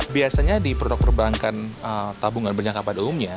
biasanya di produk perbankan tabungan berjenjang kapan umumnya